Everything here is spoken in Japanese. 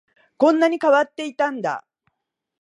こんなに変わっていたんだ